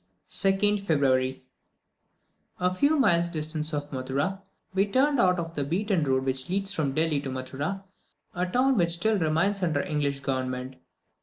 2nd February. A few miles distant from Matara, we turned out of the beaten road which leads from Delhi to Mutra, a town which still remains under English government.